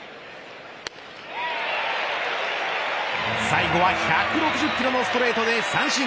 最後は１６０キロのストレートで三振。